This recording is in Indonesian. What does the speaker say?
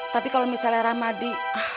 tapi kalau misalnya ramadi